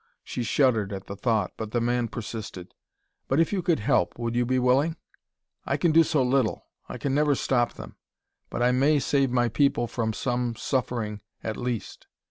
She shuddered at the thought, but the man persisted. "But if you could help, would you be willing? I can do so little; I can never stop them; but I may save my people from some suffering at least.